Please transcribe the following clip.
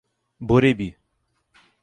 Borebi